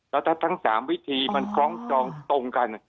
แล้วถ้าทั้ง๓วิธีมันคล้องจองตรงกัน